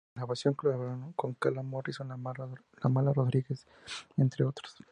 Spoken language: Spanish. En la grabación colaboraron con Carla Morrison, La Mala Rodríguez, entre otros.